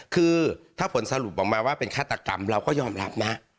คือถ้าผลสรุปออกมาว่าเป็นฆาตกรรมเราก็ยอมรับนะ